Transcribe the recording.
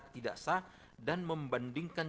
tidak sah dan membandingkan